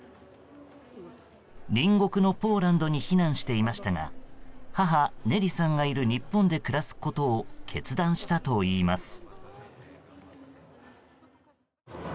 隣国のポーランドに避難していましたが母、ネリさんがいる日本で暮らすことを決断したといいます。